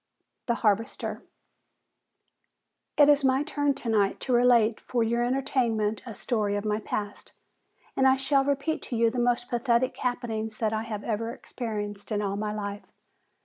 "The Harvester." "It is my turn tonight to relate for your entertainment a story of my past, and I shall repeat to you the most pathetic happening that I have ever experienced in all my life.